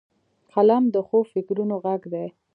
قلم د ښو فکرونو غږ دی